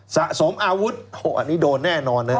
สะสมอาวุธอันนี้โดนแน่นอนนะ